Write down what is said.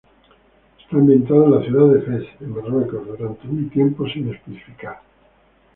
Está ambientada en la ciudad de Fez, en Marruecos, durante un tiempo sin especificar.